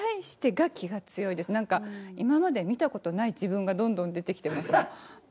何か今まで見た事ない自分がどんどん出てきてますもん。